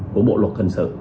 của bộ luật thần sự